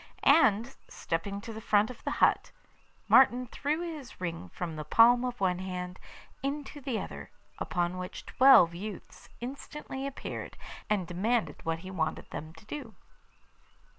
And, stepping to the front of the hut, Martin threw his ring from the palm of one hand into the other, upon which twelve youths instantly appeared, and demanded what he wanted them to do.